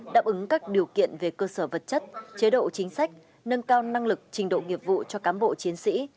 đáp ứng các điều kiện về cơ sở vật chất chế độ chính sách nâng cao năng lực trình độ nghiệp vụ cho cám bộ chiến sĩ